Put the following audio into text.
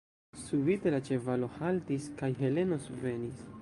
Subite la ĉevalo haltis, kaj Heleno svenis.